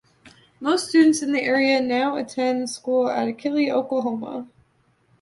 Most students in the area now attend school at Achille, Oklahoma.